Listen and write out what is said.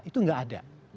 itu nggak ada